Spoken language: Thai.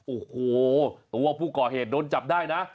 โอ้โหตัวผู้ก่อเหตุโดนจับได้นะ